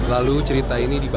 lalu cerita ini dibawa